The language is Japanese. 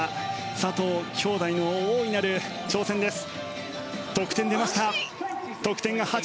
佐藤姉弟の大いなる挑戦です。